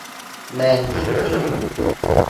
แมนซิตี้